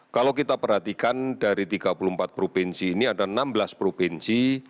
kalau kita perhatikan dari tiga puluh empat provinsi ini ada enam belas provinsi